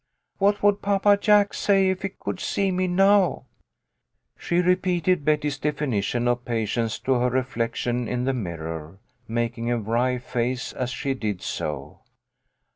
" What would Papa Jack say if he could see me now ?" She repeated Betty's definition of patience to her reflection in the mirror, making a wry face as she did so.